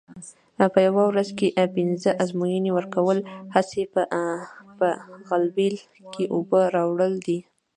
په یوه ورځ کې پینځه ازموینې ورکول هسې په غلبېل کې اوبه راوړل دي.